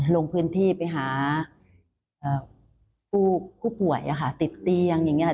ลงพื้นที่ไปหาผู้ป่วยติดเตียงอย่างนี้